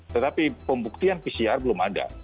tetapi pembuktian pcr belum ada